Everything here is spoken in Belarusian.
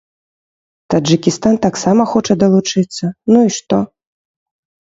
Таджыкістан таксама хоча далучыцца, ну і што?